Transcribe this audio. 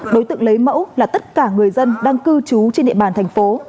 đối tượng lấy mẫu là tất cả người dân đang cư trú trên địa bàn thành phố